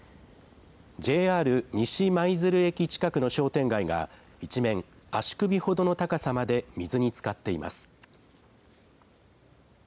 ＪＲ西舞鶴駅近くの商店街が、一面、足首ほどの高さまで水につかっています。